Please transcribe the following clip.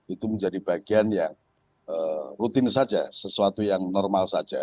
itu menjadi bagian yang rutin saja sesuatu yang normal saja